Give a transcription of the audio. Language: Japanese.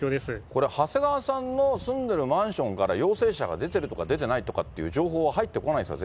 これ、長谷川さんの住んでいるマンションから陽性者が出てるとか、出てないとかって情報は入ってこないんですか？